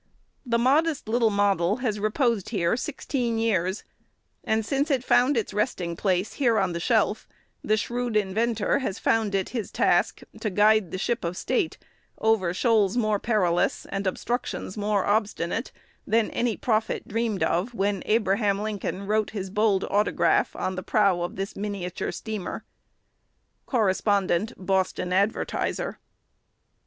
The modest little model has reposed here sixteen years; and, since it found its resting place here on the shelf, the shrewd inventor has found it his task to guide the Ship of State over shoals more perilous, and obstructions more obstinate, than any prophet dreamed of when Abraham Lincoln wrote his bold autograph on the prow of this miniature steamer." Correspondent Boston Advertiser.